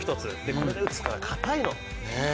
これで打つから、硬いの。